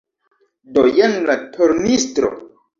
Do jen la tornistro.